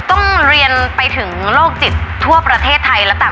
โลกจิตใส่ใครก็ได้แต่คุณจะมาลงจิตใส่ฉันไม่ได้